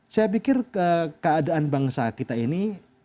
saya pikir keadaan bangsa kita ini